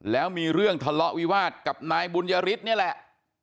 แล้วมีเรื่องทะเลาะวิวาสกับนายบุญยฤทธิ์นี่แหละ